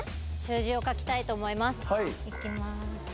行きます。